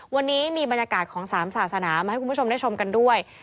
วันนี้มีบรรยากาศของ๓ศาสนามาให้คุณผู้ชมได้ชมกันด้วย